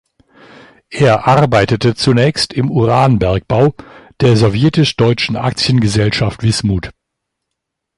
Er arbeitete zunächst im Uranbergbau der Sowjetisch-Deutschen Aktiengesellschaft Wismut.